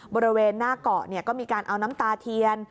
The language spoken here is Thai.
บริเวณหน้าเกาะก็มีการเอาน้ำตาเทียน